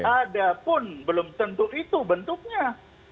walaupun belum tentu itu bentuknya